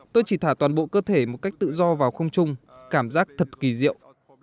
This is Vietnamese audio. tôi chỉ thả toàn bộ cơ thể một cách tự do vào không chung cảm giác thật kỳ diệu